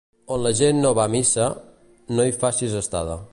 On la gent no va a missa, no hi facis estada.